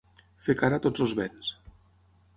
Fer cara a tots els vents.